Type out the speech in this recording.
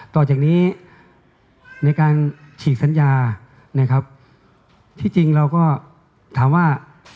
ต่อจากนี้ในการฉีกสัญญานะครับที่จริงเราก็ถามว่า